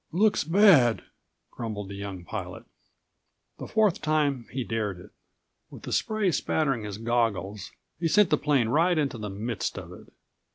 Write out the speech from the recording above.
"Looks bad," grumbled the young pilot. The fourth time, he dared it. With the spray spattering his goggles, he sent the plane right into the midst of it.